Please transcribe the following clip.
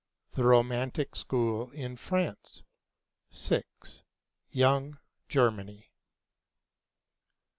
'The Romantic School in France'; 6. 'Young Germany.'